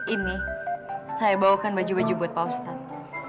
ini saya bawakan baju baju buat pak ustadz